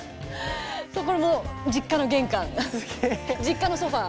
そうこれも実家の玄関実家のソファー。